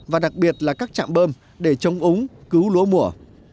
và đặc biệt là các trạm bơm để chống úng cứu lúa mùa